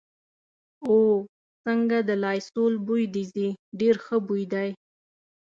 او، څنګه د لایسول بوی دې ځي، ډېر ښه بوی دی.